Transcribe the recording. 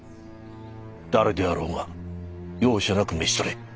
誰であろうが容赦なく召し捕れ。